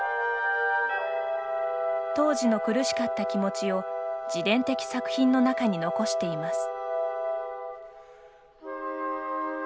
当時の苦しかった気持ちを自伝的作品の中に残しています。